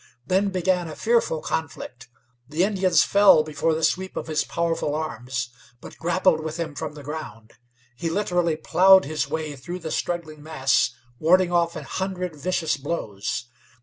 Then began a fearful conflict. The Indians fell before the sweep of his powerful arms; but grappled with him from the ground. He literally plowed his way through the struggling mass, warding off an hundred vicious blows.